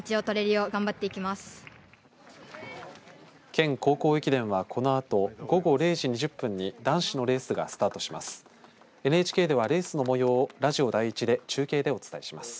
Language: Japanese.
県高校駅伝は、このあと午後０時２０分に男子のレースがスタートします。